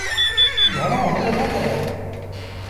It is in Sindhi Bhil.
گھڻون هل نا ڪريآ۔